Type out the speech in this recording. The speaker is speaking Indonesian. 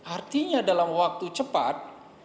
artinya dalam waktu cepat